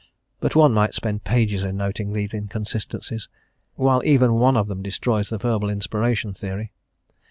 But one might spend pages in noting these inconsistencies, while even one of them destroys the verbal inspiration theory.